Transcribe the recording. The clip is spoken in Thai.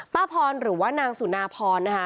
พรหรือว่านางสุนาพรนะคะ